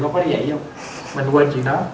nó có đi dạy không mình quên chuyện đó